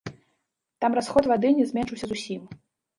Там расход вады не зменшыўся зусім.